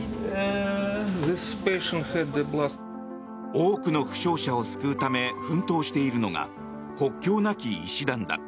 多くの負傷者を救うため奮闘しているのが国境なき医師団だ。